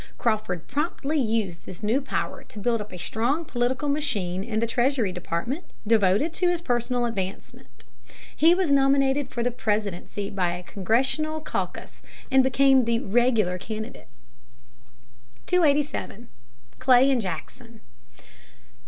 Crawford promptly used this new power to build up a strong political machine in the Treasury Department, devoted to his personal advancement. He was nominated for the presidency by a Congressional caucus and became the "regular" candidate. [Sidenote: Henry Clay.] [Sidenote: Andrew Jackson.] 287. Clay and Jackson.